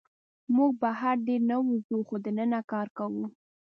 موږ بهر ډېر نه وځو، خو دننه کار کوو.